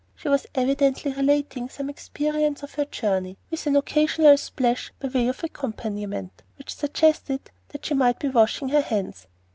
She was evidently relating some experience of her journey, with an occasional splash by way of accompaniment, which suggested that she might be washing her hands.